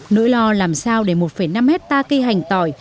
nỗi lo làm sao để một năm hectare cây hành tỏi